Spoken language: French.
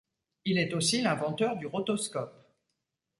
Il est aussi l'inventeur du rotoscope.